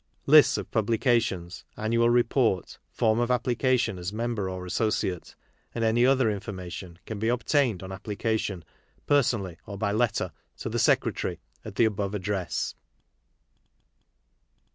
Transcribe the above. Lists of Publications, Annoal Report, Form ol Application as Member or Associate, and any other information can be obtained on application personally or by letter to the Secretary at the above address.